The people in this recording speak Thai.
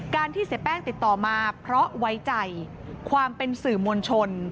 ที่เสียแป้งติดต่อมาเพราะไว้ใจความเป็นสื่อมวลชน